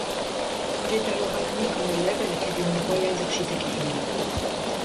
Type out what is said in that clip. Il est alors admis comme élève à l'Académie royale d'architecture.